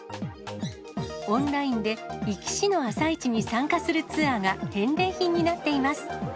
オンラインで壱岐市の朝市に参加するツアーが返礼品になっています。